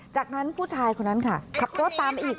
จากนั้นผู้ชายคนนั้นค่ะขับรถตามอีก